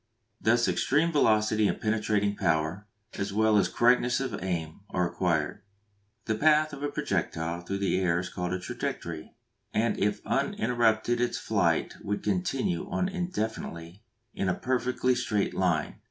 Thus extreme velocity and penetrating power, as well as correctness of aim, are acquired. The path of a projectile through the air is called its trajectory, and if uninterrupted its flight would continue on indefinitely in a perfectly straight line.